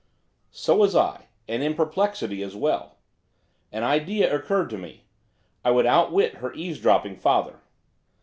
So was I, and in perplexity as well. An idea occurred to me, I would outwit her eavesdropping father.